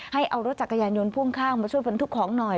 ให้เอารถจักรยานยนต์พ่วงข้างมาช่วยบรรทุกของหน่อย